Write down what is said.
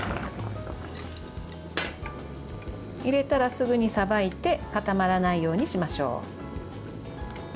入れたら、すぐにさばいて固まらないようにしましょう。